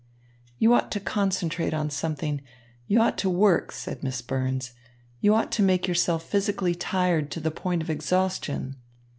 "You ought to concentrate on something, you ought to work," said Miss Burns. "You ought to make yourself physically tired to the point of exhaustion."